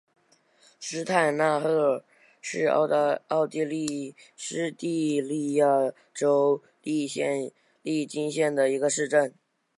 施泰纳赫是奥地利施蒂利亚州利岑县的一个市镇。